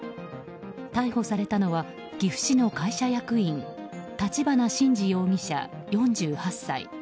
逮捕されたのは岐阜市の会社役員橘真二容疑者、４８歳。